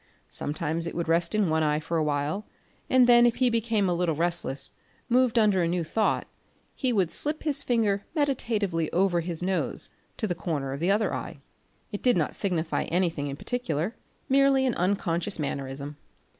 Sometimes it would rest in one eye for awhile, and then if he became a little restless, moved under a new thought, he would slip his finger meditatively over his nose to the corner of the other eye. It did not signify anything in particular, merely an unconscious mannerism.